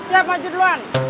siap maju duluan